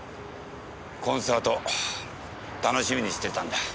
コンサート楽しみにしていたんだ。